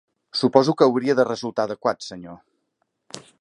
Suposo que hauria de resultar adequat, senyor.